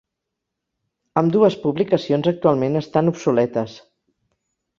Ambdues publicacions actualment estan obsoletes